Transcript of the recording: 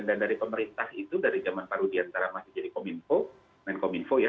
dan dari pemerintah itu dari zaman baru diantara masih jadi kominfo